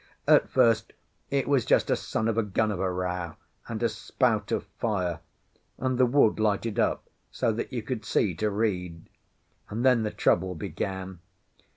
At first it was just a son of a gun of a row, and a spout of fire, and the wood lighted up so that you could see to read. And then the trouble began.